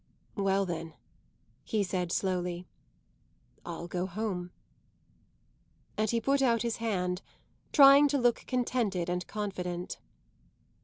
"Well then," he said slowly, "I'll go home." And he put out his hand, trying to look contented and confident.